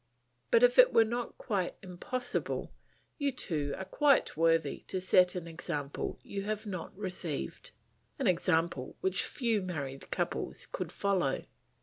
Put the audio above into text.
But if it were not quite impossible, you two are quite worthy to set an example you have not received, an example which few married couples could follow.